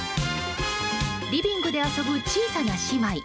リビングで遊ぶ小さな姉妹。